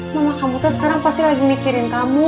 mama kamu tuh sekarang pasti lagi mikirin kamu